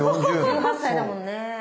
１８歳だもんね。